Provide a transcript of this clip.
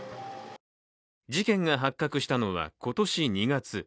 事件が発覚したのは今年２月。